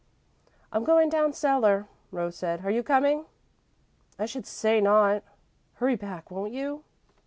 "I'm going down cellar," Rose said. "Are you coming?" "I should say not. Hurry back, won't you?"